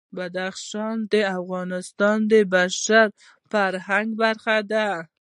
بدخشان د افغانستان د بشري فرهنګ برخه ده.